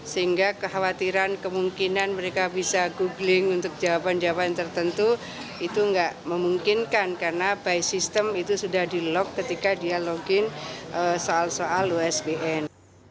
sehingga kekhawatiran kemungkinan mereka bisa googling untuk jawaban jawaban tertentu itu tidak memungkinkan karena by system itu sudah di log ketika dia login soal soal usbn